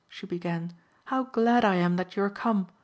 she began, "how glad I am that you are come.